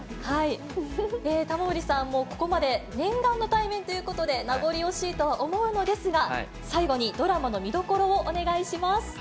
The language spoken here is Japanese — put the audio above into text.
玉森さん、ここまで念願の対面ということで名残惜しいとは思うのですが、最後にドラマの見どころをお願いします。